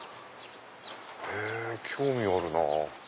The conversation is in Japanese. へぇ興味あるなぁ。